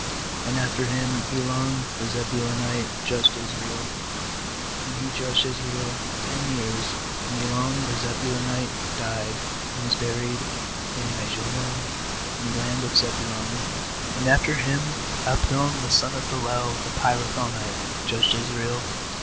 nAnd after V>iin Elon the Zebulunite judged Israel; and he judged Israel ten years. 12And Elon the Zebulunite died, and was buried in Aijalon in the land of Zebulun. 13And after him Abdpn the son of Hillel the Pirathonite judged Israel.